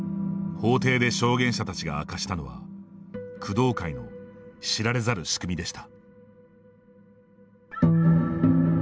法廷で証言者たちが明かしたのは工藤会の知られざる仕組みでした。